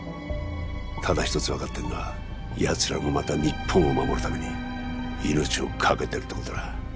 ただ一つ分かってるのはやつらもまた日本を守るために命をかけてるってことだ